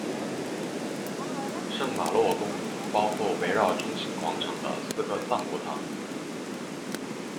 圣玛洛公墓包括围绕中心广场的四个藏骨堂。